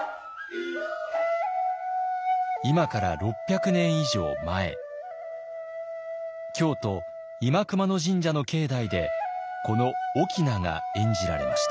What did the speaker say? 今から６００年以上前京都新熊野神社の境内でこの「翁」が演じられました。